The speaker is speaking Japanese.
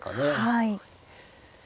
はい。